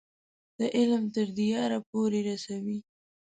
د علم تر دیاره پورې رسوي.